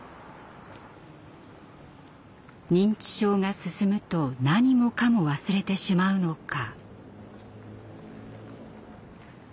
認知症が進むと何もかも忘れてしまうのか？